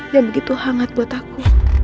yang begitu hangat buat aku